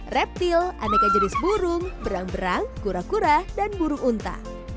reptil aneka jenis burung berang berang kura kura dan burung unta